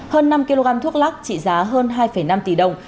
hơn năm kg thuốc lắc trị giá hơn hai năm tỷ đồng